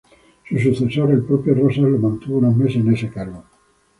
Su sucesor, el propio Rosas, lo mantuvo unos meses en ese cargo.